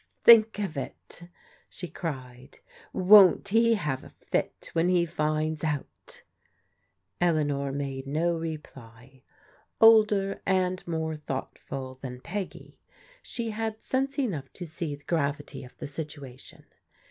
" Think of it !" she cried " Won't he have a fit when he finds out ?" Eleanor made no reply. Older and more thoughtful than Peggy, she had sense enough to see the gravity of jatuation.